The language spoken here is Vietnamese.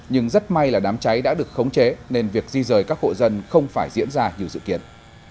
nhưng rất may là đám cháy đã được khống chế nên việc di rời các hộ dân không phải diễn ra như dự kiến